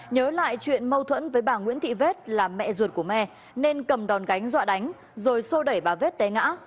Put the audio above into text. nhớ lại chuyện mâu thuẫn với bà nguyễn thị vết là mẹ ruột của me nên cầm đòn gánh dọa đánh rồi sô đẩy bà vết té ngã